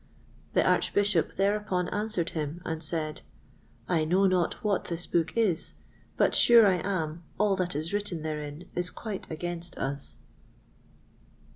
The Archbishop thereupon answered him, and said, "I know not what this book is, but sure I am, all that is written therein is quite against us."